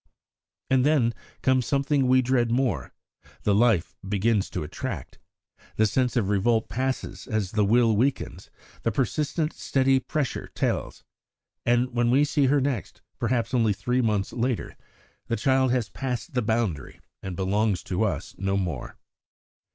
And then comes something we dread more: the life begins to attract. The sense of revolt passes as the will weakens; the persistent, steady pressure tells. And when we see her next, perhaps only three months later, the child has passed the boundary, and belongs to us no more.